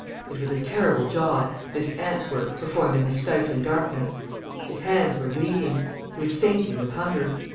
It was a terrible job, this ants' work performed in the stifling darkness. His hands were bleeding. He was fainting with hunger.